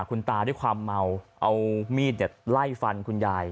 คุณตาด้วยความเมาเอามีดไล่ฟันคุณยาย